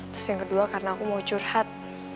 terus yang kedua karena aku mau curhat